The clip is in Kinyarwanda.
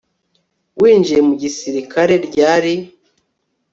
Winjiye mu gisirikare ryari